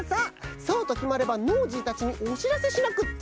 そうときまればノージーたちにおしらせしなくっちゃ。